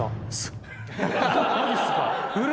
マジっすか？